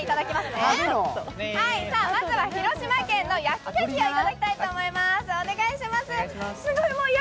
まずは広島県の焼き牡蠣をいただきたいと思います。